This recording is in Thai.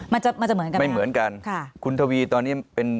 มันจะมันจะเหมือนกันไม่เหมือนกันค่ะคุณทวีตอนนี้เป็น